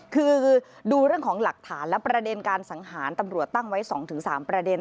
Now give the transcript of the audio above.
คือดูเรื่องของหลักฐานและประเด็นการสังหารตำรวจตั้งไว้๒๓ประเด็น